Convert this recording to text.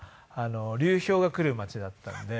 流氷が来る町だったんで。